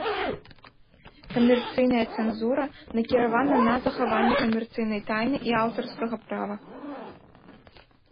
Камерцыйная цэнзура накіравана на захаванне камерцыйнай тайны і аўтарскага права.